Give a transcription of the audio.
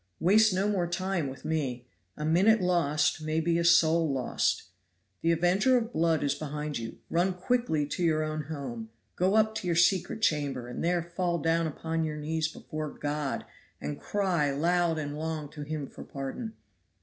Waste no more time with me. A minute lost may be a soul lost. The avenger of blood is behind you. Run quickly to your own home go up to your secret chamber and there fall down upon your knees before your God and cry loud and long to him for pardon.